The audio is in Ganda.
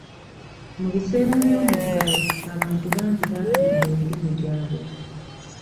Mu biseera by'omuggalo, abantu bangi baafiirwa emirimu gyabwe.